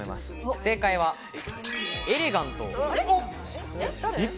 正解はエレガント。